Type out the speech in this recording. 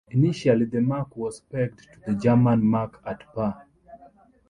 Initially the mark was pegged to the German mark at par.